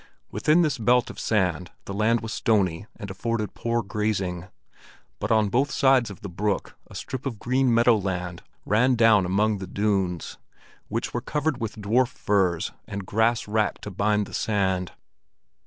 Within this belt of sand the land was stony and afforded poor grazing; but on both sides of the brook a strip of green meadow land ran down among the dunes, which were covered with dwarf firs and grass wrack to bind the sand.